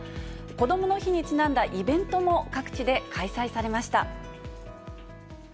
こどもの日にちなんだイベントも各地で開催されました。